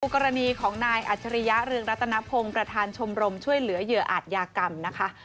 กรณีของนายอัจฉริยะเรืองรัตนพงศ์ประธานชมรมช่วยเหลือเหยื่ออาจยากรรมนะคะ